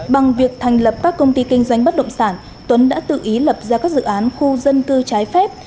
bằng việc thành lập các công ty kinh doanh bất động sản tuấn đã tự ý lập ra các dự án khu dân cư trái phép